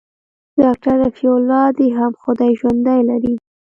ډاکتر رفيع الله دې هم خداى ژوندى لري.